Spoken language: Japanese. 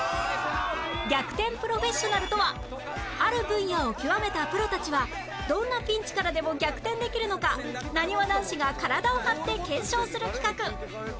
逆転プロフェッショナルとはある分野を極めたプロたちはどんなピンチからでも逆転できるのかなにわ男子が体を張って検証する企画